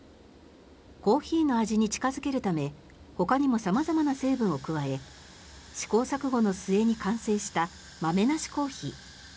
コーヒーの味に近付けるためほかにも様々な成分を加え試行錯誤の末に完成した豆なしコーヒー。